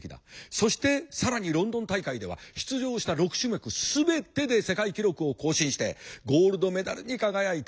そして更にロンドン大会では出場した６種目全てで世界記録を更新してゴールドメダルに輝いた。